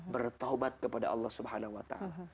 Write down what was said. bertahubat kepada allah swt